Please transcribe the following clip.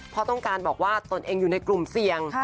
เพราะต้องการบอกว่าตนเองอยู่ในกลุ่มเสี่ยง